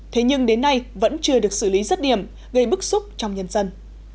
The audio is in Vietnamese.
thế nhưng đến nay vẫn chưa được xử lý rất điểm gây bức xúc trong nhân dân